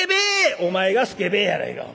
「お前がすけべえやないか。